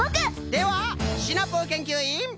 ではシナプーけんきゅういん！